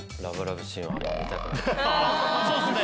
そうですね。